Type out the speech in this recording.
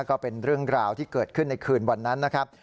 ก็เป็นเรื่องราวที่เกิดขึ้นในคืนวันนั้นนะครับ